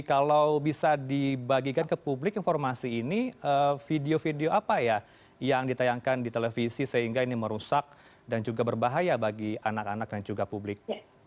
kalau bisa dibagikan ke publik informasi ini video video apa ya yang ditayangkan di televisi sehingga ini merusak dan juga berbahaya bagi anak anak dan juga publik